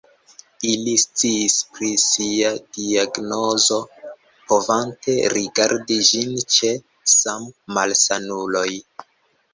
Ili sciis pri sia diagnozo, povante rigardi ĝin ĉe sammalsanuloj.